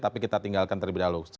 tapi kita tinggalkan terlebih dahulu